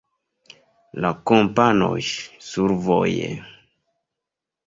La Kompanoj: Survoje.